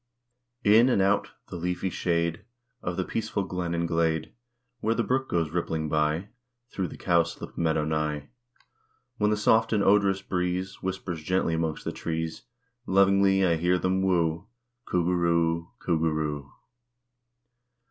In and out the leafy shade Of the peaceful glen and glade, Where the brook goes rippling by, Through the cowslip meadow nigh; When the soft and odorous breeze Whispers gently 'mongst the trees, Lovingly, I hear them woo "_Coo goo roo o o, Coo goo roo o o.